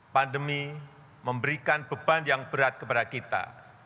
pandemi memberikan beban yang berat kepada kita